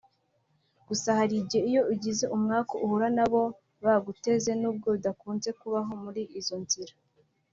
Gusa hari igihe iyo ugize umwaku uhura na bo baguteze nubwo bidakunze kubaho muri izo nzira